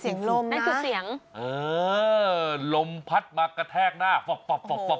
เสียงลมนั่นคือเสียงเออลมพัดมากระแทกหน้าฟับฟับฟับ